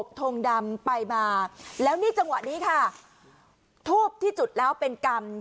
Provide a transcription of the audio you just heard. ทงดำไปมาแล้วนี่จังหวะนี้ค่ะทูบที่จุดแล้วเป็นกรรม